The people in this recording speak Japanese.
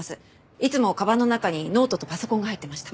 いつもかばんの中にノートとパソコンが入ってました。